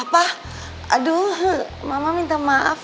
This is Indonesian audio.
aduh mama minta maaf